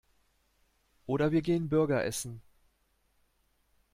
Oder wir gehen Burger essen.